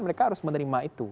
mereka harus menerima itu